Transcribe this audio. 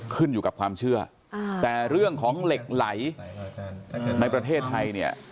ขึ้นอยู่กับความเชื่อแต่เรื่องของเหล็กไหลในประเทศไทยเนี่ย